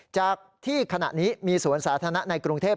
จากที่ขณะนี้มีสวนสาธารณะในกรุงเทพ